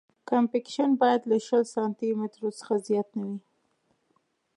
کمپکشن باید له شل سانتي مترو څخه زیات نه وي